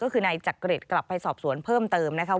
ก็คือนายจักริตกลับไปสอบสวนเพิ่มเติมนะคะ